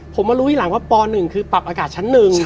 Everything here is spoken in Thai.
ผมมารู้ทีหลังว่าป๑คือปรับอากาศชั้น๑